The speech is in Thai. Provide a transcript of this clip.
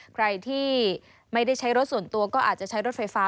ใครที่ไม่ได้ใช้รถส่วนตัวก็อาจจะใช้รถไฟฟ้า